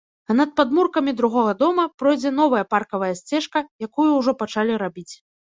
А над падмуркамі другога дома пройдзе новая паркавая сцежка, якую ўжо пачалі рабіць.